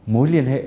mối liên hệ